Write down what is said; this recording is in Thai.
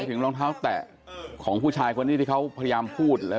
ถึงรองเท้าแตะของผู้ชายคนนี้ที่เขาพยายามพูด